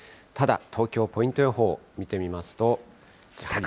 ただ、東京、ポイント予報を見てみますと。